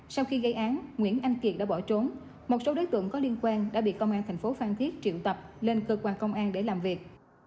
sau khi gây án nguyễn anh kiệt đã bỏ trốn một số đối tượng có liên quan đã bị công an thành phố phan thiết triệu tập lên cơ quan công an để làm việc